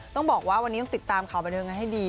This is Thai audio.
ต้องบอกว่าวันนี้ต้องติดตามข่าวบรรยศให้ดี